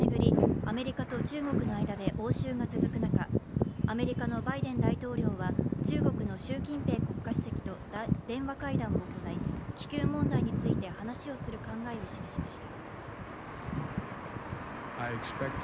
アメリカと中国の間で応酬が続く中アメリカのバイデン大統領は、中国の習近平国家主席と電話会談を行い、気球問題について話をする考えを示しました。